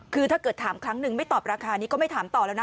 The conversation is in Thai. คือถ้าเกิดถามครั้งหนึ่งไม่ตอบราคานี้ก็ไม่ถามต่อแล้วนะ